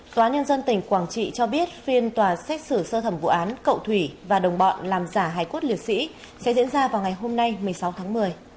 tòa nhân dân tỉnh quảng trị cho biết phiên tòa xét xử sơ thẩm vụ án cậu thủy và đồng bọn làm giả hải cốt liệt sĩ sẽ diễn ra vào ngày hôm nay một mươi sáu tháng một mươi